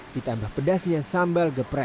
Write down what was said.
ditambah pedasnya sambal geprek